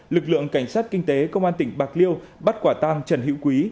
lực lượng cảnh sát kinh tế công an tỉnh bạc liêu bắt quả tang trần hữu quý